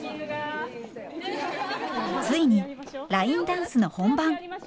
ついにラインダンスの本番。